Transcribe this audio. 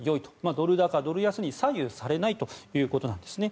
ドル高、ドル安に左右されないということなんですね。